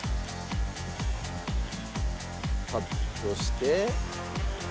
カットして。